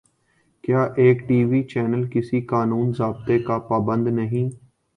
کیا ایک T V channel کسی قانون ضابطے کا پابند نہیں؟